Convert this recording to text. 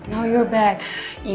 sekarang kamu kembali